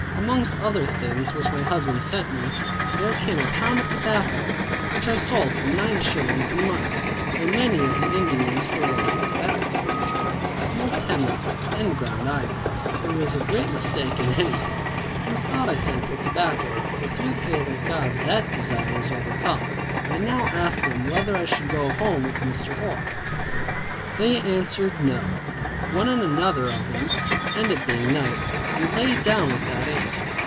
Amongst other things which my husband sent me, there came a pound of tobacco, which I sold for nine shillings in money; for many of the Indians for want of tobacco, smoked hemlock, and ground ivy. It was a great mistake in any, who thought I sent for tobacco; for through the favor of God, that desire was overcome. I now asked them whether I should go home with Mr. Hoar? They answered no, one and another of them, and it being night, we lay down with that answer.